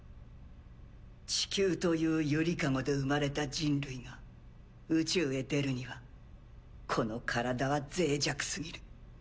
地球という揺りかごで生まれた人類が宇宙へ出るにはこの体は脆弱すぎる。